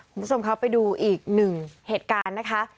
คุณผู้ชมครับไปดูอีกหนึ่งเหตุการณ์นะคะ